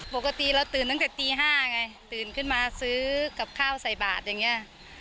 ปกติเราตื่นตั้งแต่ตี๕ไงตื่นขึ้นมาซื้อกับข้าวใส่บาทอย่างนี้